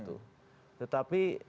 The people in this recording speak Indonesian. itu seperti gantian